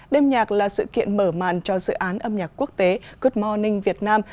đêm nhạc là sự kiện mở mạng cho dự án âm nhạc quốc tế good morning việt nam